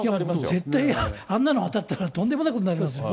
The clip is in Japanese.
絶対、あんなの当たったらとんでもないことになります。